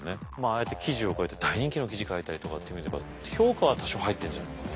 ああやって記事を書いて大人気の記事書いたりとかって見ても評価は多少入ってるんじゃないかな。